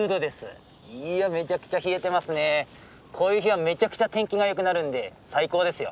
こういう日はめちゃくちゃ天気がよくなるんで最高ですよ。